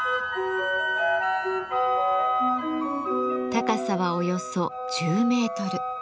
高さはおよそ１０メートル。